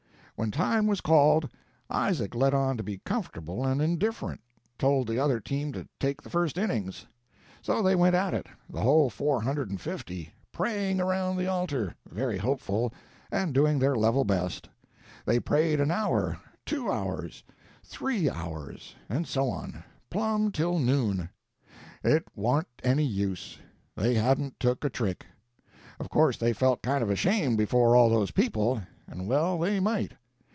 When time was called, Isaac let on to be comfortable and indifferent; told the other team to take the first innings. So they went at it, the whole four hundred and fifty, praying around the altar, very hopeful, and doing their level best. They prayed an hour two hours three hours and so on, plumb till noon. It wa'n't any use; they hadn't took a trick. Of course they felt kind of ashamed before all those people, and well they might.